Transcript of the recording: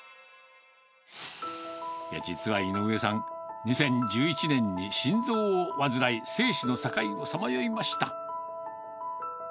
実は井上さん、２０１１年に心臓を患い、生死の境をさまよいました。